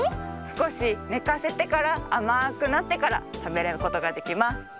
すこしねかせてからあまくなってからたべることができます。